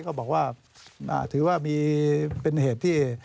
ก็บอกว่าถือว่ามีเป็นเหตุที่